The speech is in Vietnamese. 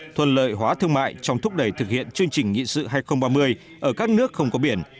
thuận lợi hóa thương mại trong thúc đẩy thực hiện chương trình nghị sự hai nghìn ba mươi ở các nước không có biển